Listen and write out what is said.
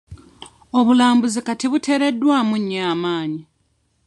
Obulambuzi kati buteereddwamu nnyo amaanyi.